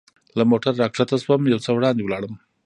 له موټره را کښته شوم، یو څه وړاندې ولاړم.